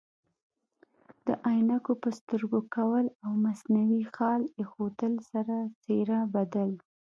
د عینکو په سترګو کول او مصنوعي خال ایښودلو سره څیره بدل